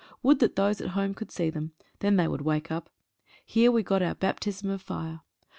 Would that those at home could see them — then they would wake up. Here we got our baptism of fire.